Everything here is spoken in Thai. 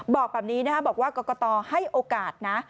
บอกแบบนี้นะครับบอกว่ากรกตให้โอกาสนะ